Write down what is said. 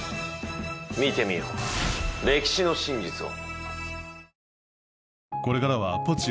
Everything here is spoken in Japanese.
見てみよう歴史の真実を。